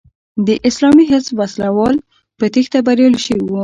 د اسلامي حزب وسله وال په تېښته بریالي شوي وو.